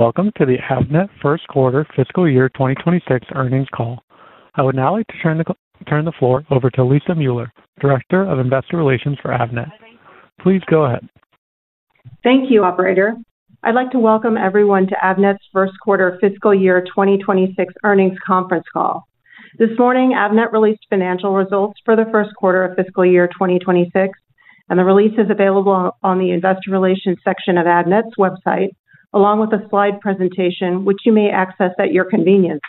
Welcome to the Avnet First Quarter Fiscal Year 2026 Earnings Call. I would now like to turn the floor over to Lisa Mueller, Director of Investor Relations for Avnet. Please go ahead. Thank you, Operator. I'd like to welcome everyone to Avnet's First Quarter Fiscal Year 2026 Earnings Conference Call. This morning, Avnet released financial results for the first quarter of fiscal year 2026, and the release is available on the Investor Relations section of Avnet's website, along with a slide presentation, which you may access at your convenience.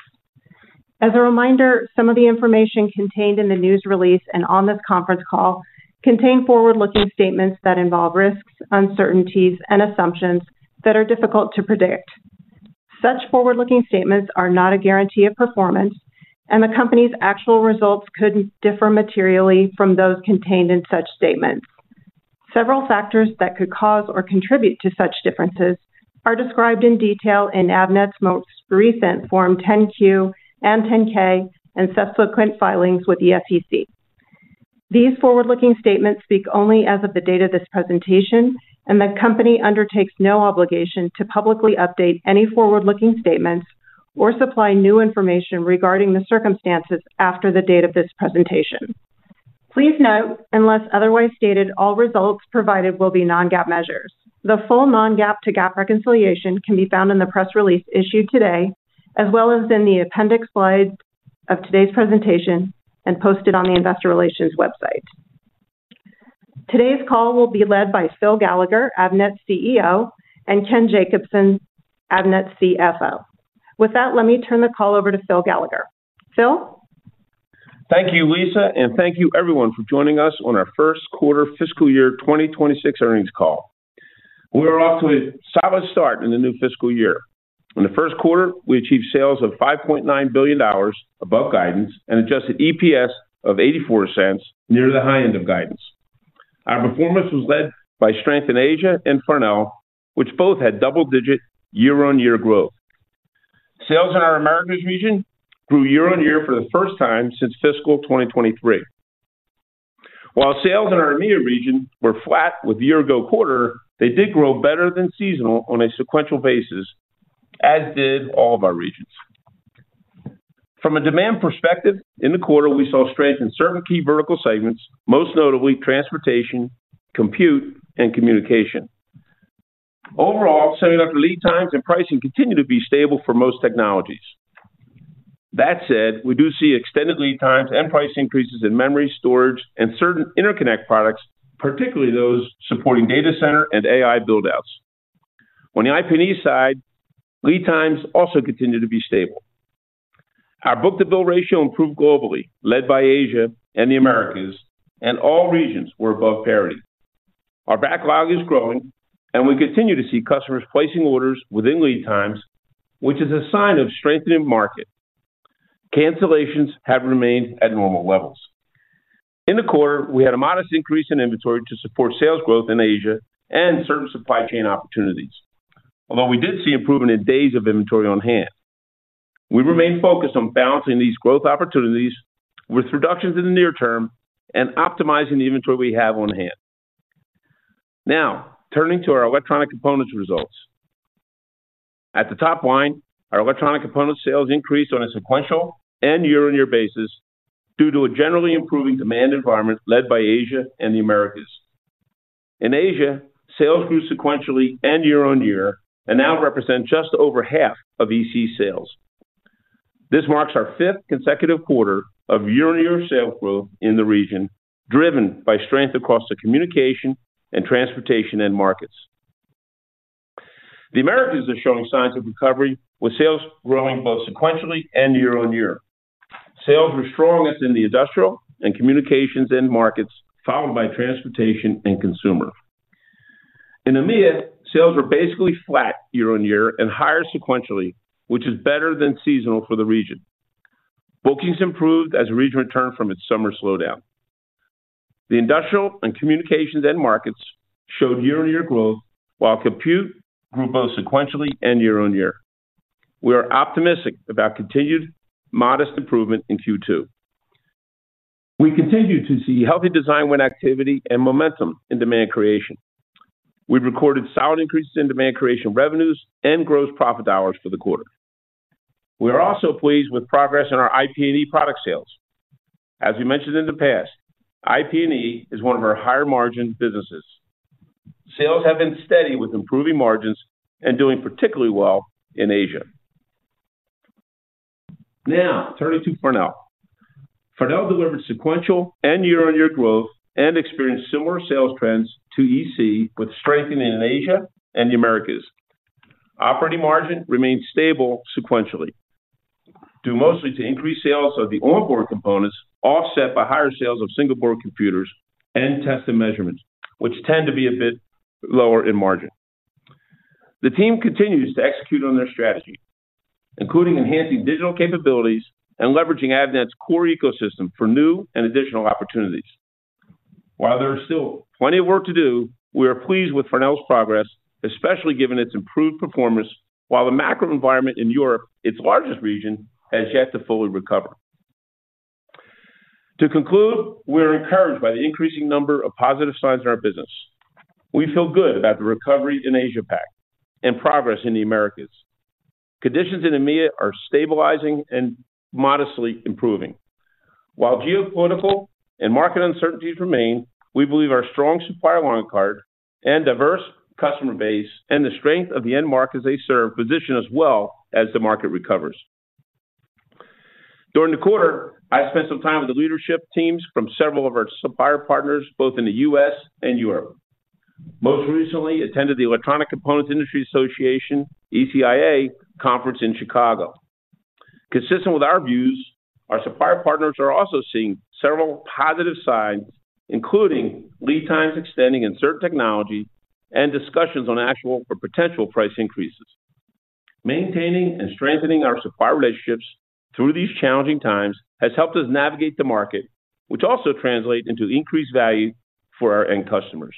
As a reminder, some of the information contained in the news release and on this conference call contain forward-looking statements that involve risks, uncertainties, and assumptions that are difficult to predict. Such forward-looking statements are not a guarantee of performance, and the company's actual results could differ materially from those contained in such statements. Several factors that could cause or contribute to such differences are described in detail in Avnet's most recent Form 10-Q and 10-K and subsequent filings with the SEC. These forward-looking statements speak only as of the date of this presentation, and the company undertakes no obligation to publicly update any forward-looking statements or supply new information regarding the circumstances after the date of this presentation. Please note, unless otherwise stated, all results provided will be non-GAAP measures. The full non-GAAP to GAAP reconciliation can be found in the press release issued today, as well as in the appendix slides of today's presentation and posted on the Investor Relations website. Today's call will be led by Phil Gallagher, Avnet's CEO, and Ken Jacobson, Avnet's CFO. With that, let me turn the call over to Phil Gallagher. Phil? Thank you, Lisa, and thank you everyone for joining us on our First Quarter Fiscal Year 2026 Earnings Call. We are off to a solid start in the new fiscal year. In the first quarter, we achieved sales of $5.9 billion above guidance and an adjusted EPS of $0.84, near the high end of guidance. Our performance was led by strength in Asia and Farnell, which both had double-digit year-on-year growth. Sales in our Americas region grew year-on-year for the first time since fiscal 2023. While sales in our EMEA region were flat with the year-ago quarter, they did grow better than seasonal on a sequential basis, as did all of our regions. From a demand perspective, in the quarter, we saw strength in certain key vertical segments, most notably transportation, compute, and communication. Overall, semiconductor lead times and pricing continue to be stable for most technologies. That said, we do see extended lead times and price increases in memory, storage, and certain interconnect products, particularly those supporting data center and AI buildouts. On the IP&E side, lead times also continue to be stable. Our book-to-bill ratio improved globally, led by Asia and the Americas, and all regions were above parity. Our backlog is growing, and we continue to see customers placing orders within lead times, which is a sign of a strengthening market. Cancellations have remained at normal levels. In the quarter, we had a modest increase in inventory to support sales growth in Asia and certain supply chain opportunities, although we did see improvement in days of inventory on hand. We remain focused on balancing these growth opportunities with reductions in the near term and optimizing the inventory we have on hand. Now, turning to our electronic components results. At the top line, our electronic components sales increased on a sequential and year-on-year basis due to a generally improving demand environment led by Asia and the Americas. In Asia, sales grew sequentially and year-on-year and now represent just over half of EC sales. This marks our fifth consecutive quarter of year-on-year sales growth in the region, driven by strength across the communication and transportation end markets. The Americas is showing signs of recovery, with sales growing both sequentially and year-on-year. Sales were strongest in the industrial and communications end markets, followed by transportation and consumer. In EMEA, sales were basically flat year-on-year and higher sequentially, which is better than seasonal for the region. Bookings improved as the region returned from its summer slowdown. The industrial and communications end markets showed year-on-year growth, while compute grew both sequentially and year-on-year. We are optimistic about continued modest improvement in Q2. We continue to see healthy design-wind activity and momentum in demand creation. We've recorded solid increases in demand creation revenues and gross profit hours for the quarter. We are also pleased with progress in our IP&E product sales. As we mentioned in the past, IP&E is one of our higher margin businesses. Sales have been steady with improving margins and doing particularly well in Asia. Now, turning to Farnell. Farnell delivered sequential and year-on-year growth and experienced similar sales trends to EC, with strengthening in Asia and the Americas. Operating margin remained stable sequentially, due mostly to increased sales of the onboard components offset by higher sales of single-board computers and test and measurements, which tend to be a bit lower in margin. The team continues to execute on their strategy, including enhancing digital capabilities and leveraging Avnet's core ecosystem for new and additional opportunities. While there is still plenty of work to do, we are pleased with Farnell's progress, especially given its improved performance, while the macro environment in Europe, its largest region, has yet to fully recover. To conclude, we are encouraged by the increasing number of positive signs in our business. We feel good about the recovery in Asia-Pac and progress in the Americas. Conditions in EMEA are stabilizing and modestly improving. While geopolitical and market uncertainties remain, we believe our strong supplier line card and diverse customer base and the strength of the end markets they serve position us well as the market recovers. During the quarter, I spent some time with the leadership teams from several of our supplier partners, both in the U.S. and Europe. Most recently, I attended the Electronic Components Industry Association (ECIA) conference in Chicago. Consistent with our views, our supplier partners are also seeing several positive signs, including lead times extending in certain technologies and discussions on actual or potential price increases. Maintaining and strengthening our supplier relationships through these challenging times has helped us navigate the market, which also translates into increased value for our end customers.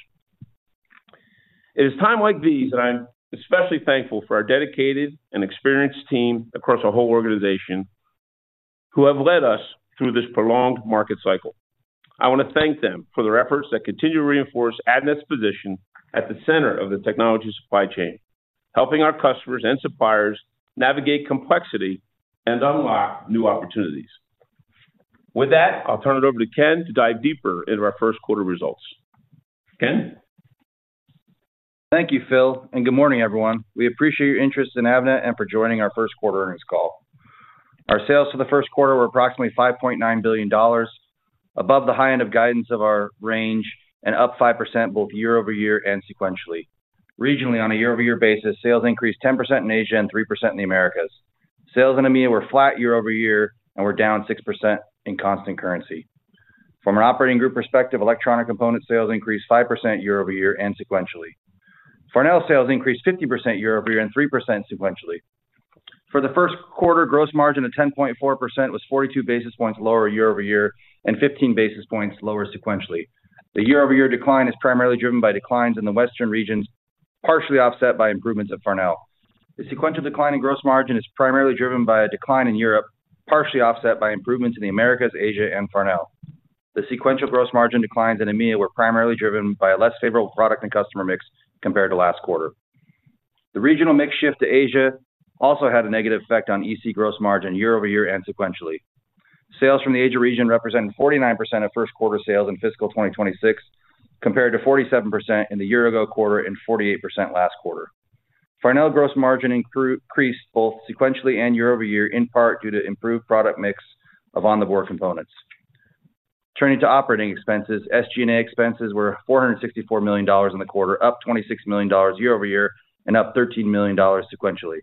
It is times like these that I am especially thankful for our dedicated and experienced team across our whole organization, who have led us through this prolonged market cycle. I want to thank them for their efforts that continue to reinforce Avnet's position at the center of the technology supply chain, helping our customers and suppliers navigate complexity and unlock new opportunities. With that, I'll turn it over to Ken to dive deeper into our first quarter results. Ken? Thank you, Phil, and good morning, everyone. We appreciate your interest in Avnet and for joining our first quarter earnings call. Our sales for the first quarter were approximately $5.9 billion, above the high end of guidance of our range and up 5% both year over year and sequentially. Regionally, on a year-over-year basis, sales increased 10% in Asia and 3% in the Americas. Sales in EMEA were flat year over year and were down 6% in constant currency. From an operating group perspective, electronic components sales increased 5% year over year and sequentially. Farnell sales increased 50% year over year and 3% sequentially. For the first quarter, gross margin of 10.4% was 42 basis points lower year over year and 15 basis points lower sequentially. The year-over-year decline is primarily driven by declines in the Western regions, partially offset by improvements at Farnell. The sequential decline in gross margin is primarily driven by a decline in Europe, partially offset by improvements in the Americas, Asia, and Farnell. The sequential gross margin declines in EMEA were primarily driven by a less favorable product and customer mix compared to last quarter. The regional mix shift to Asia also had a negative effect on EC gross margin year over year and sequentially. Sales from the Asia region represent 49% of first quarter sales in fiscal 2026, compared to 47% in the year-ago quarter and 48% last quarter. Farnell gross margin increased both sequentially and year over year, in part due to improved product mix of on-the-board components. Turning to operating expenses, SG&A expenses were $464 million in the quarter, up $26 million year over year, and up $13 million sequentially.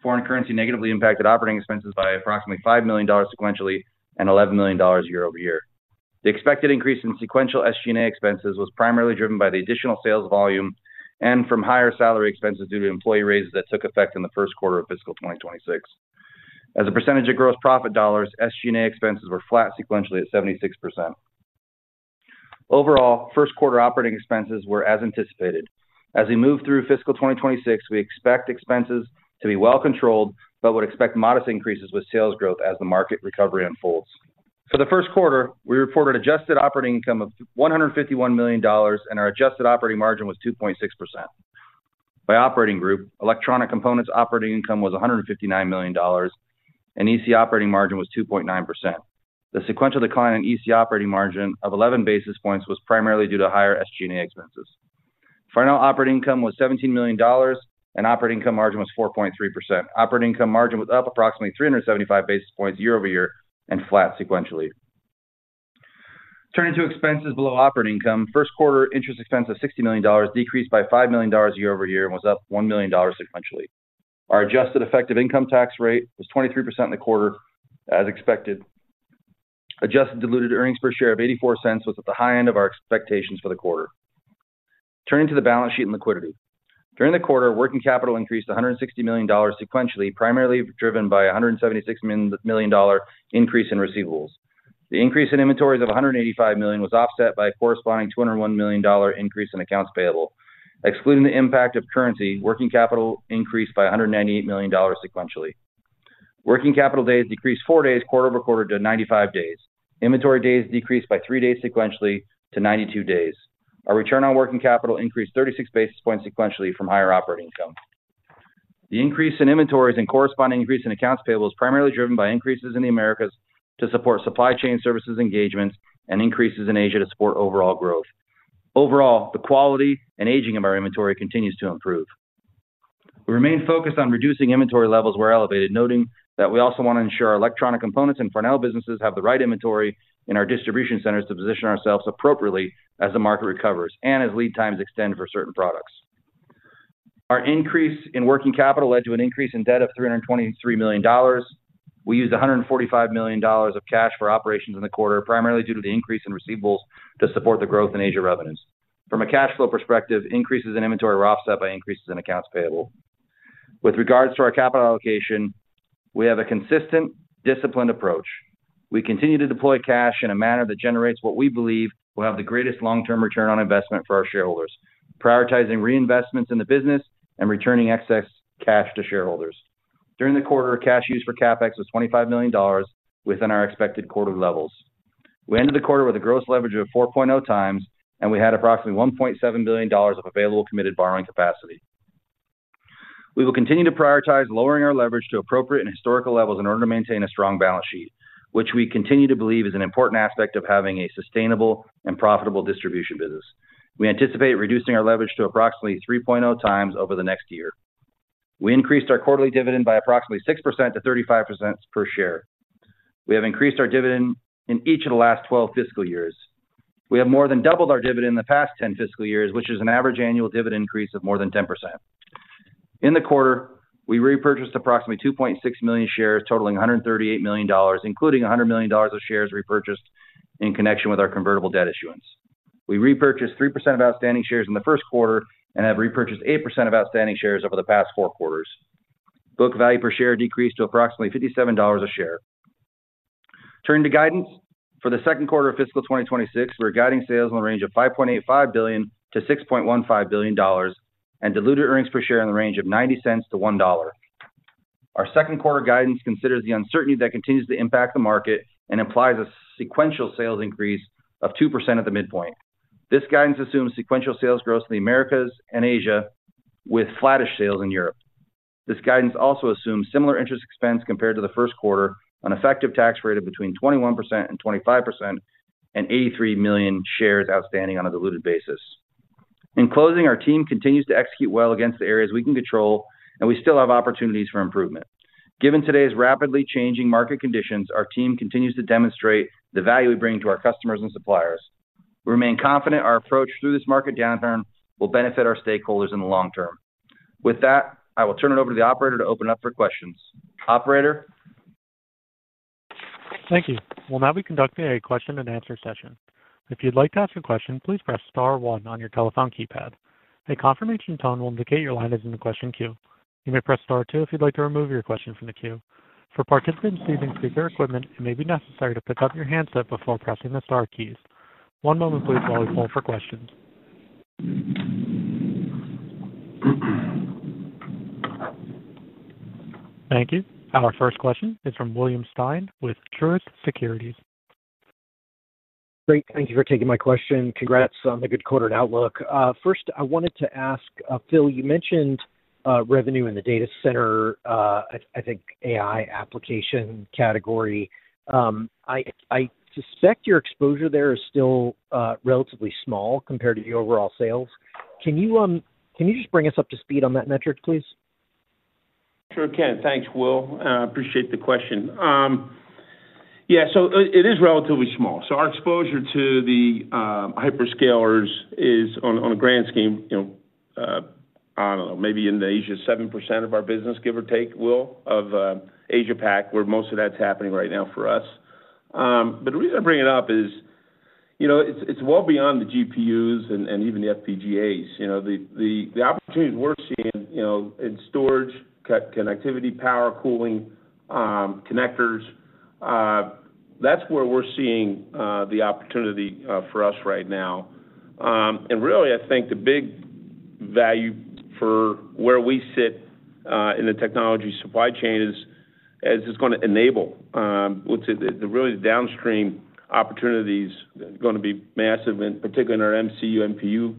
Foreign currency negatively impacted operating expenses by approximately $5 million sequentially and $11 million year over year. The expected increase in sequential SG&A expenses was primarily driven by the additional sales volume and from higher salary expenses due to employee raises that took effect in the first quarter of fiscal 2026. As a percentage of gross profit dollars, SG&A expenses were flat sequentially at 76%. Overall, first quarter operating expenses were as anticipated. As we move through fiscal 2026, we expect expenses to be well controlled, but would expect modest increases with sales growth as the market recovery unfolds. For the first quarter, we reported adjusted operating income of $151 million, and our adjusted operating margin was 2.6%. By operating group, electronic components operating income was $159 million, and EC operating margin was 2.9%. The sequential decline in EC operating margin of 11 basis points was primarily due to higher SG&A expenses. Farnell operating income was $17 million, and operating income margin was 4.3%. Operating income margin was up approximately 375 basis points year over year and flat sequentially. Turning to expenses below operating income, first quarter interest expense of $60 million decreased by $5 million year over year and was up $1 million sequentially. Our adjusted effective income tax rate was 23% in the quarter, as expected. Adjusted diluted earnings per share of $0.84 was at the high end of our expectations for the quarter. Turning to the balance sheet and liquidity. During the quarter, working capital increased $160 million sequentially, primarily driven by a $176 million increase in receivables. The increase in inventories of $185 million was offset by a corresponding $201 million increase in accounts payable. Excluding the impact of currency, working capital increased by $198 million sequentially. Working capital days decreased four days quarter over quarter to 95 days. Inventory days decreased by three days sequentially to 92 days. Our return on working capital increased 36 basis points sequentially from higher operating income. The increase in inventories and corresponding increase in accounts payable is primarily driven by increases in the Americas to support supply chain services engagements and increases in Asia to support overall growth. Overall, the quality and aging of our inventory continues to improve. We remain focused on reducing inventory levels where elevated, noting that we also want to ensure our electronic components and Farnell businesses have the right inventory in our distribution centers to position ourselves appropriately as the market recovers and as lead times extend for certain products. Our increase in working capital led to an increase in debt of $323 million. We used $145 million of cash for operations in the quarter, primarily due to the increase in receivables to support the growth in Asia revenues. From a cash flow perspective, increases in inventory were offset by increases in accounts payable. With regards to our capital allocation, we have a consistent, disciplined approach. We continue to deploy cash in a manner that generates what we believe will have the greatest long-term return on investment for our shareholders, prioritizing reinvestments in the business and returning excess cash to shareholders. During the quarter, cash used for CapEx was $25 million, within our expected quarterly levels. We ended the quarter with a gross leverage of 4.0 times, and we had approximately $1.7 billion of available committed borrowing capacity. We will continue to prioritize lowering our leverage to appropriate and historical levels in order to maintain a strong balance sheet, which we continue to believe is an important aspect of having a sustainable and profitable distribution business. We anticipate reducing our leverage to approximately 3.0 times over the next year. We increased our quarterly dividend by approximately 6% to $0.35 per share. We have increased our dividend in each of the last 12 fiscal years. We have more than doubled our dividend in the past 10 fiscal years, which is an average annual dividend increase of more than 10%. In the quarter, we repurchased approximately 2.6 million shares, totaling $138 million, including $100 million of shares repurchased in connection with our convertible debt issuance. We repurchased 3% of outstanding shares in the first quarter and have repurchased 8% of outstanding shares over the past four quarters. Book value per share decreased to approximately $57 a share. Turning to guidance for the second quarter of fiscal 2026, we're guiding sales in the range of $5.85 billion-$6.15 billion and diluted earnings per share in the range of $0.90-$1.00. Our second quarter guidance considers the uncertainty that continues to impact the market and implies a sequential sales increase of 2% at the midpoint. This guidance assumes sequential sales growth in the Americas and Asia, with flattish sales in Europe. This guidance also assumes similar interest expense compared to the first quarter, an effective tax rate of between 21% and 25%, and 83 million shares outstanding on a diluted basis. In closing, our team continues to execute well against the areas we can control, and we still have opportunities for improvement. Given today's rapidly changing market conditions, our team continues to demonstrate the value we bring to our customers and suppliers. We remain confident our approach through this market downturn will benefit our stakeholders in the long term. With that, I will turn it over to the operator to open it up for questions. Operator? Thank you. We'll now be conducting a question and answer session. If you'd like to ask a question, please press star one on your telephone keypad. A confirmation tone will indicate your line is in the question queue. You may press star two if you'd like to remove your question from the queue. For participants using speaker equipment, it may be necessary to pick up your handset before pressing the star keys. One moment, please, while we poll for questions. Thank you. Our first question is from William Stein with Truist Securities. Great. Thank you for taking my question. Congrats on the good quarter and outlook. First, I wanted to ask, Phil, you mentioned revenue in the data center, I think AI application category. I suspect your exposure there is still relatively small compared to your overall sales. Can you just bring us up to speed on that metric, please? Sure can. Thanks, Will. I appreciate the question. Yeah, it is relatively small. Our exposure to the hyperscalers is, on a grand scheme, I don't know, maybe in Asia 7% of our business, give or take, Will, of Asia-Pac, where most of that's happening right now for us. The reason I bring it up is, it's well beyond the GPUs and even the FPGAs. The opportunities we're seeing in storage, connectivity, power, cooling, connectors, that's where we're seeing the opportunity for us right now. I think the big value for where we sit in the technology supply chain is it's going to enable what are really the downstream opportunities that are going to be massive, in particular in our MCU/MPU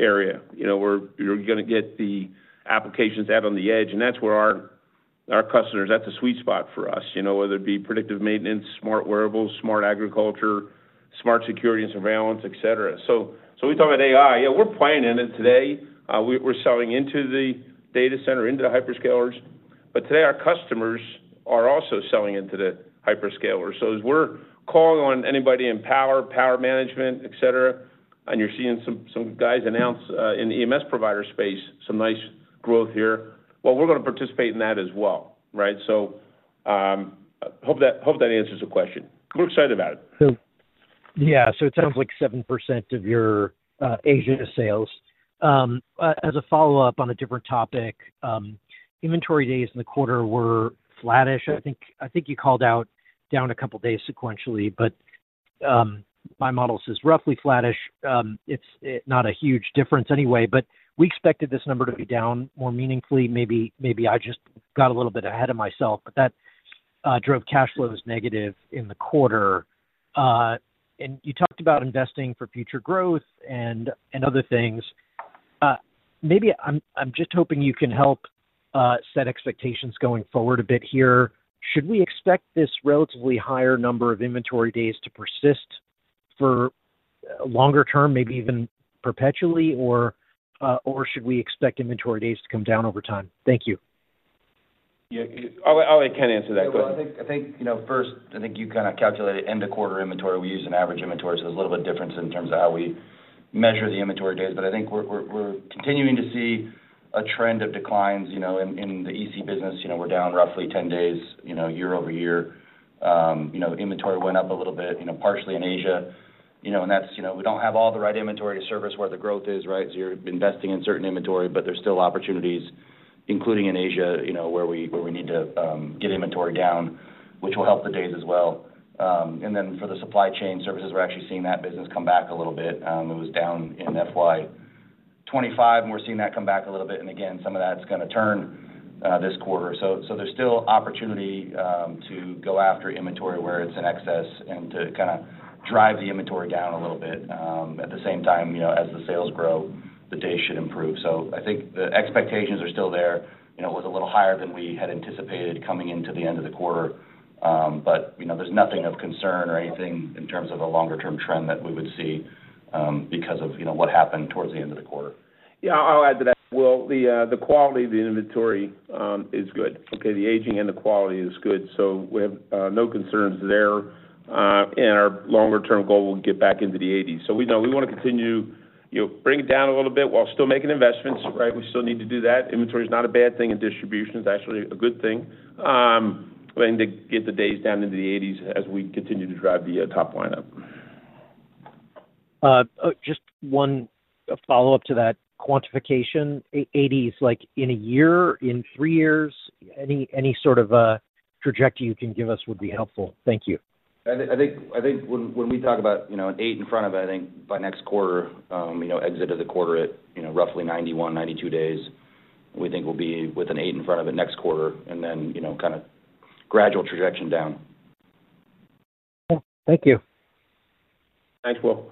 area, where you're going to get the applications out on the edge. That's where our customers, that's a sweet spot for us, whether it be predictive maintenance, smart wearables, smart agriculture, smart security and surveillance, etc. We talk about AI. Yeah, we're playing in it today. We're selling into the data center, into the hyperscalers. Today, our customers are also selling into the hyperscalers. As we're calling on anybody in power, power management, etc., you're seeing some guys announce in the EMS provider space some nice growth here. We're going to participate in that as well, right? Hope that answers the question. We're excited about it. It sounds like 7% of your Asia sales. As a follow-up on a different topic, inventory days in the quarter were flattish. I think you called out down a couple of days sequentially, but my model says roughly flattish. It's not a huge difference anyway, but we expected this number to be down more meaningfully. Maybe I just got a little bit ahead of myself, but that drove cash flows negative in the quarter. You talked about investing for future growth and other things. Maybe I'm just hoping you can help set expectations going forward a bit here. Should we expect this relatively higher number of inventory days to persist for longer term, maybe even perpetually, or should we expect inventory days to come down over time? Thank you. Yeah, I'll let Ken answer that. I think, you know, first, I think you kind of calculated end-of-quarter inventory. We use an average inventory, so there's a little bit of difference in terms of how we measure the inventory days. I think we're continuing to see a trend of declines, you know, in the EC business. We're down roughly 10 days, you know, year over year. Inventory went up a little bit, you know, partially in Asia, and that's, you know, we don't have all the right inventory to service where the growth is, right? You're investing in certain inventory, but there's still opportunities, including in Asia, where we need to get inventory down, which will help the days as well. For the supply chain services, we're actually seeing that business come back a little bit. It was down in FY2025, and we're seeing that come back a little bit. Some of that's going to turn this quarter. There's still opportunity to go after inventory where it's in excess and to kind of drive the inventory down a little bit. At the same time, as the sales grow, the days should improve. I think the expectations are still there. It was a little higher than we had anticipated coming into the end of the quarter, but there's nothing of concern or anything in terms of a longer-term trend that we would see because of what happened towards the end of the quarter. Yeah, I'll add to that. Will, the quality of the inventory is good. The aging and the quality is good. We have no concerns there. Our longer-term goal will get back into the 80s. We know we want to continue, you know, bring it down a little bit while still making investments, right? We still need to do that. Inventory is not a bad thing, and distribution is actually a good thing. I think to get the days down into the 80s as we continue to drive the top line up. Just one follow-up to that. Quantification, 80s, like in a year, in three years? Any sort of a trajectory you can give us would be helpful. Thank you. When we talk about, you know, an eight in front of it, I think by next quarter, exit of the quarter at roughly 91, 92 days, we think we'll be with an eight in front of it next quarter and then, you know, kind of gradual trajection down. Okay, thank you. Thanks, Will.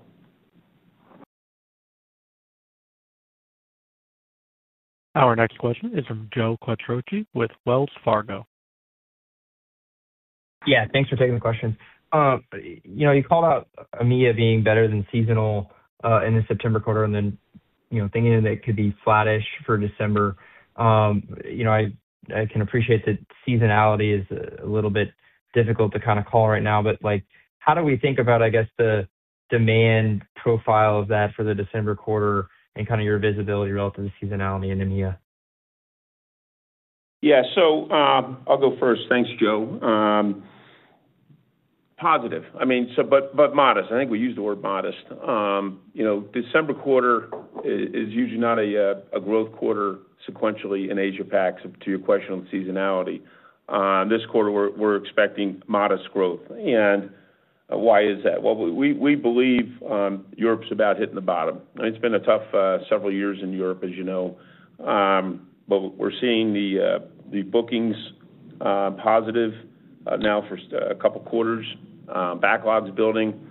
Our next question is from Joe Burke with Wells Fargo Securities. Yeah, thanks for taking the question. You know, you called out EMEA being better than seasonal in the September quarter, and then, you know, thinking that it could be flattish for December. I can appreciate that seasonality is a little bit difficult to kind of call right now, but how do we think about, I guess, the demand profile of that for the December quarter and kind of your visibility relative to seasonality in EMEA? Yeah, so I'll go first. Thanks, Joe. Positive, I mean, so, but modest. I think we use the word modest. You know, December quarter is usually not a growth quarter sequentially in Asia, to your question on seasonality. This quarter, we're expecting modest growth. Why is that? We believe Europe's about hitting the bottom. I mean, it's been a tough several years in Europe, as you know. We're seeing the bookings positive now for a couple of quarters. Backlog's building.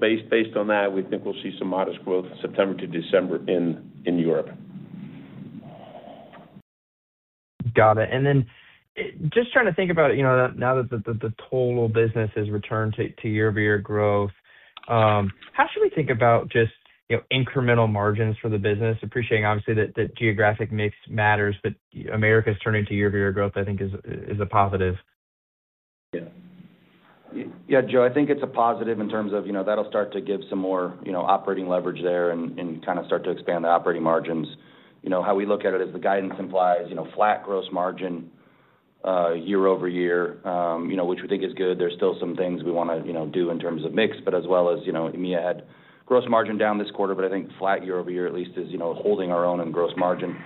Based on that, we think we'll see some modest growth in September to December in Europe. Got it. Just trying to think about, you know, now that the total business has returned to year-over-year growth, how should we think about just incremental margins for the business? Appreciating, obviously, that geographic mix matters, but Americas turning to year-over-year growth, I think, is a positive. Yeah, Joe, I think it's a positive in terms of, you know, that'll start to give some more, you know, operating leverage there and kind of start to expand the operating margins. How we look at it is the guidance implies, you know, flat gross margin year over year, which we think is good. There's still some things we want to, you know, do in terms of mix, but as well as, you know, EMEA had gross margin down this quarter, but I think flat year over year, at least, is, you know, holding our own in gross margin.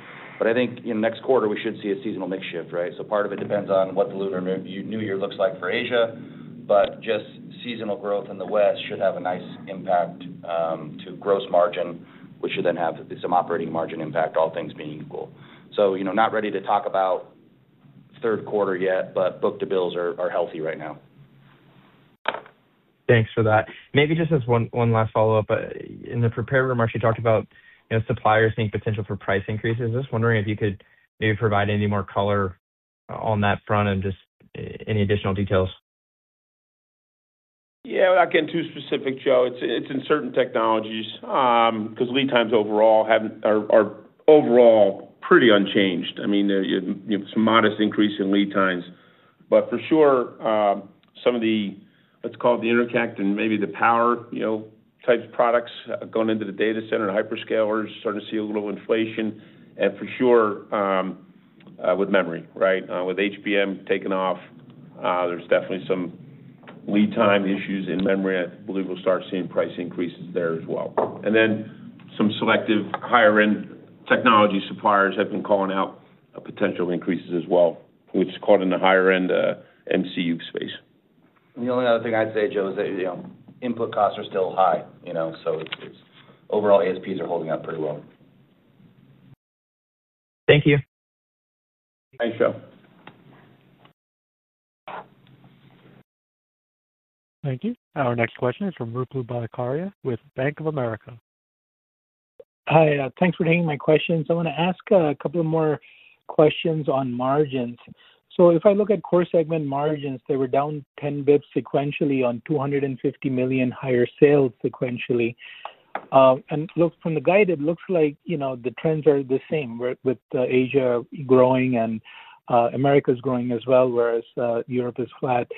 I think next quarter, we should see a seasonal mix shift, right? Part of it depends on what the Lunar New Year looks like for Asia, but just seasonal growth in the West should have a nice impact to gross margin, which should then have some operating margin impact, all things being equal. Not ready to talk about third quarter yet, but book-to-bill ratios are healthy right now. Thanks for that. Maybe just as one last follow-up, in the prepared remarks, you talked about suppliers seeing potential for price increases. I was wondering if you could maybe provide any more color on that front and just any additional details. Yeah, without getting too specific, Joe, it's in certain technologies because lead times overall are pretty unchanged. I mean, you have some modest increase in lead times. For sure, some of the, let's call it the interconnect and maybe the power types of products going into the data center and hyperscalers are starting to see a little inflation. For sure, with memory, right? With HBM taking off, there's definitely some lead time issues in memory. I believe we'll start seeing price increases there as well. Some selective higher-end technology suppliers have been calling out potential increases as well, which is called in the higher-end MCU space. The only other thing I'd say, Joe, is that input costs are still high, so overall ASPs are holding up pretty well. Thank you. Thanks, Joe. Thank you. Our next question is from Ruplu Bhattacharya with Bank of America. Hi, thanks for taking my questions. I want to ask a couple more questions on margins. If I look at core segment margins, they were down 10 bps sequentially on $250 million higher sales sequentially. From the guide, it looks like the trends are the same with Asia growing and Americas growing as well, whereas Europe is flat.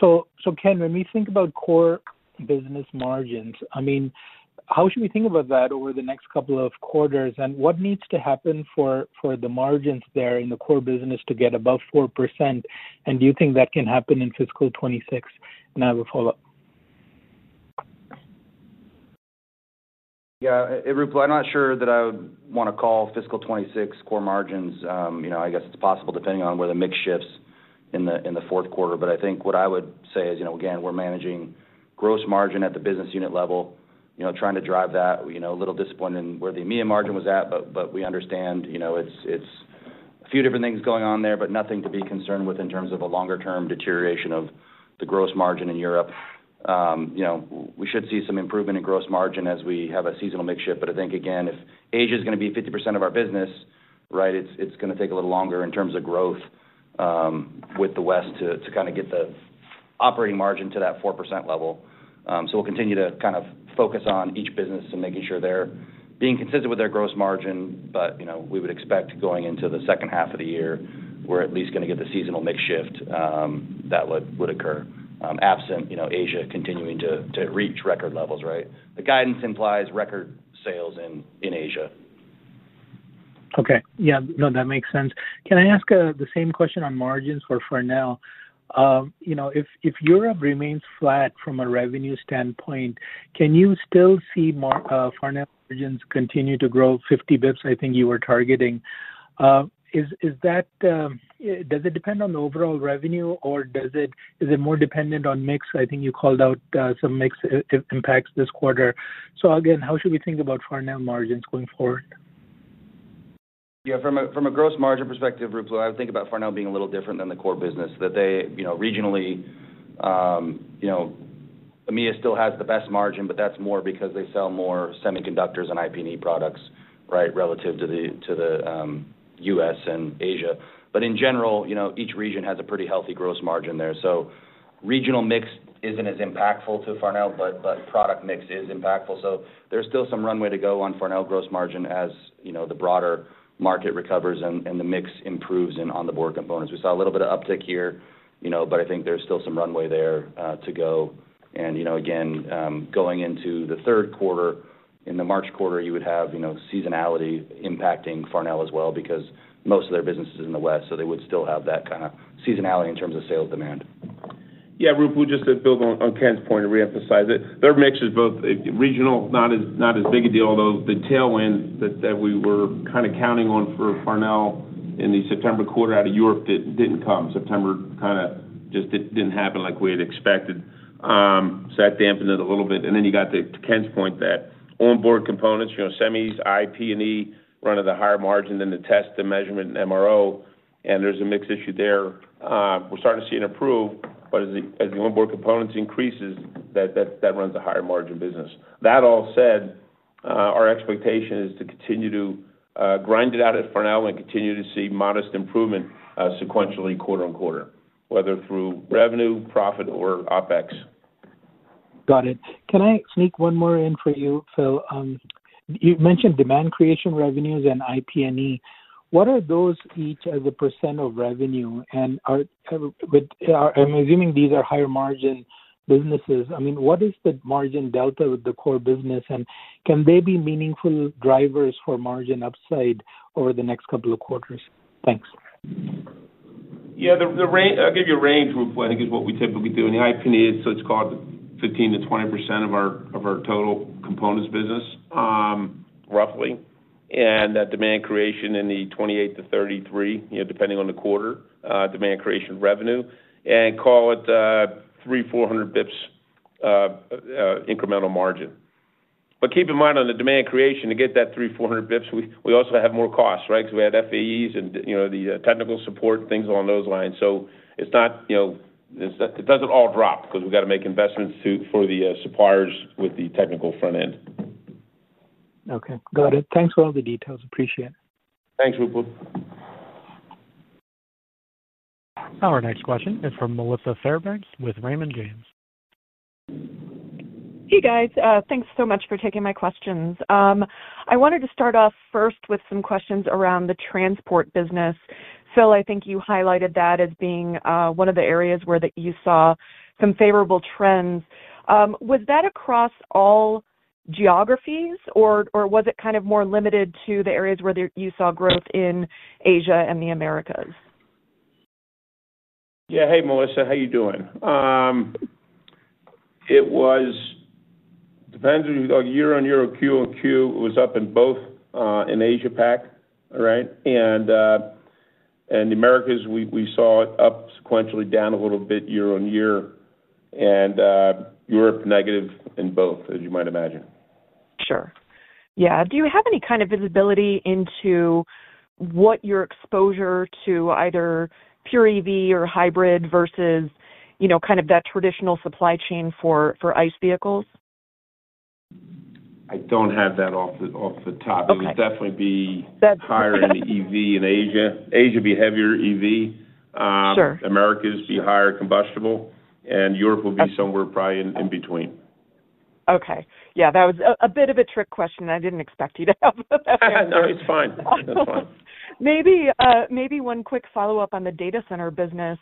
Ken, when we think about core business margins, how should we think about that over the next couple of quarters and what needs to happen for the margins there in the core business to get above 4%? Do you think that can happen in fiscal 2026? I have a follow-up. Yeah, Ruplu, I'm not sure that I would want to call fiscal 2026 core margins. I guess it's possible depending on where the mix shifts in the fourth quarter. I think what I would say is, again, we're managing gross margin at the business unit level, trying to drive that, a little discipline in where the EMEA margin was at. We understand it's a few different things going on there, but nothing to be concerned with in terms of a longer-term deterioration of the gross margin in Europe. We should see some improvement in gross margin as we have a seasonal mix shift. I think, again, if Asia is going to be 50% of our business, it's going to take a little longer in terms of growth with the West to kind of get the operating margin to that 4% level. We'll continue to focus on each business and making sure they're being consistent with their gross margin. We would expect going into the second half of the year, we're at least going to get the seasonal mix shift that would occur absent Asia continuing to reach record levels. The guidance implies record sales in Asia. Okay. No, that makes sense. Can I ask the same question on margins for Farnell? If Europe remains flat from a revenue standpoint, can you still see Farnell margins continue to grow 50 bps? I think you were targeting. Does it depend on the overall revenue, or is it more dependent on mix? I think you called out some mix impacts this quarter. How should we think about Farnell margins going forward? Yeah, from a gross margin perspective, Ruplu, I would think about Farnell being a little different than the core business. Regionally, EMEA still has the best margin, but that's more because they sell more semiconductors and IP&E products, right, relative to the U.S. and Asia. In general, each region has a pretty healthy gross margin there. Regional mix isn't as impactful to Farnell, but product mix is impactful. There's still some runway to go on Farnell gross margin as the broader market recovers and the mix improves in on-the-board components. We saw a little bit of uptick here, but I think there's still some runway there to go. Again, going into the third quarter, in the March quarter, you would have seasonality impacting Farnell as well because most of their business is in the West. They would still have that kind of seasonality in terms of sales demand. Yeah, Ruplu, just to build on Ken's point and reemphasize it, their mix is both regional, not as big a deal, although the tailwind that we were kind of counting on for Farnell in the September quarter out of Europe didn't come. September kind of just didn't happen like we had expected. That dampened it a little bit. You got to Ken's point that on-board components, you know, semis, IP&E run at a higher margin than the test, the measurement, and MRO. There's a mix issue there. We're starting to see it improve, but as the on-board components increase, that runs a higher margin business. That all said, our expectation is to continue to grind it out at Farnell and continue to see modest improvement sequentially quarter on quarter, whether through revenue, profit, or OpEx. Got it. Can I sneak one more in for you, Phil? You mentioned demand creation revenues and IP&E. What are those each as a percentage of revenue? I'm assuming these are higher margin businesses. I mean, what is the margin delta with the core business? Can they be meaningful drivers for margin upside over the next couple of quarters? Thanks. Yeah, the range, I'll give you a range, Ruplu, I think is what we typically do. In the IP&E, it's called 15%-20% of our total components business, roughly. Demand creation in the 28%-33%, you know, depending on the quarter, demand creation revenue, and call it 300 bps-400 bps incremental margin. Keep in mind on the demand creation, to get that 300 bps-400 bps, we also have more costs, right? Because we have FAEs and, you know, the technical support and things along those lines. It's not, you know, it doesn't all drop because we have to make investments for the suppliers with the technical front end. Okay. Got it. Thanks for all the details. Appreciate it. Thanks, Rupu. Our next question is from Melissa Ann Dailey Fairbanks with Raymond James & Associates. Hey, guys. Thanks so much for taking my questions. I wanted to start off first with some questions around the transport business. Phil, I think you highlighted that as being one of the areas where you saw some favorable trends. Was that across all geographies, or was it kind of more limited to the areas where you saw growth in Asia and the Americas? Yeah. Hey, Melissa. How are you doing? It depends on year on year or quarter on quarter. It was up in both in Asia, right? In the Americas, we saw it up sequentially, down a little bit year on year. Europe was negative in both, as you might imagine. Sure. Do you have any kind of visibility into what your exposure to either pure EV or hybrid versus that traditional supply chain for ICE vehicles? I don't have that off the top. It would definitely be higher in the EV in Asia. Asia would be heavier EV. Americas would be higher combustible, and Europe would be somewhere probably in between. Okay, that was a bit of a trick question, and I didn't expect you to have that. No, it's fine. That's fine. Maybe one quick follow-up on the data center business,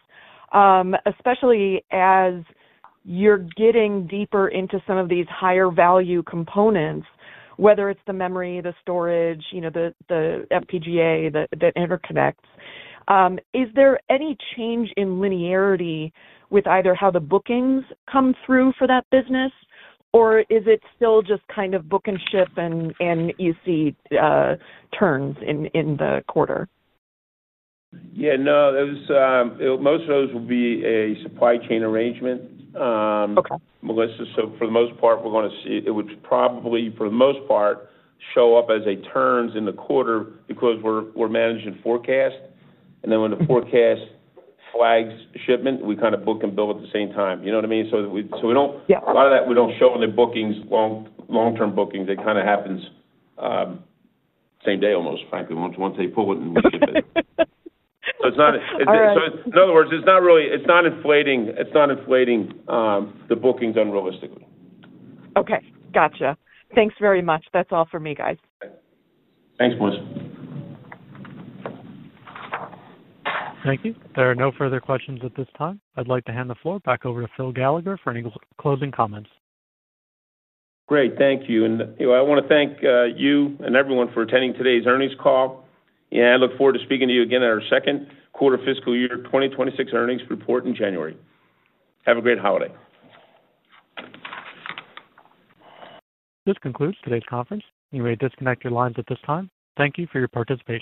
especially as you're getting deeper into some of these higher-value components, whether it's the memory, the storage, you know, the FPGA, the interconnect products. Is there any change in linearity with either how the bookings come through for that business, or is it still just kind of book and ship and you see turns in the quarter? Yeah, no, most of those will be a supply chain arrangement. Okay, Melissa. For the most part, we're going to see it, which probably, for the most part, show up as a turns in the quarter because we're managing forecast. When the forecast flags shipment, we kind of book and bill at the same time. You know what I mean? A lot of that we don't show in the bookings, long-term bookings. It kind of happens same day, almost, frankly, once they pull it and we ship it. In other words, it's not really, it's not inflating. It's not inflating the bookings unrealistically. Okay. Gotcha. Thanks very much. That's all for me, guys. Thanks, Melissa. Thank you. There are no further questions at this time. I'd like to hand the floor back over to Phil Gallagher for any closing comments. Great. Thank you. I want to thank you and everyone for attending today's earnings call. I look forward to speaking to you again at our second quarter fiscal year 2026 earnings report in January. Have a great holiday. This concludes today's conference. You may disconnect your lines at this time. Thank you for your participation.